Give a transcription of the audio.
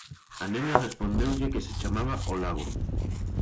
A nena respondeulle que se chamaba O Lago.